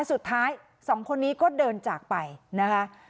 สุดท้ายสองคนนี้ก็เดินจากไปนะคะ